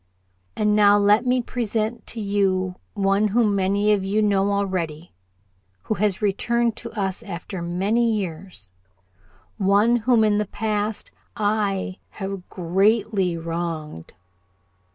"And now let me present to you one whom many of you know already, who has returned to us after many years one whom in the past I have greatly wronged.